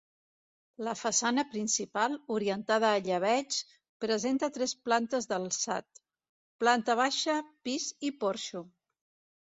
La façana principal, orientada a llebeig, presenta tres plantes d’alçat: planta baixa, pis i porxo.